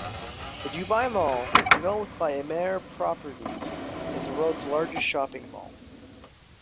The Dubai Mall, developed by Emaar Properties, is the world's largest shopping mall.